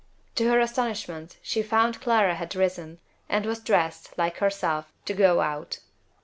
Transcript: To her astonishment she found Clara had risen, and was dressed, like herself, to go out.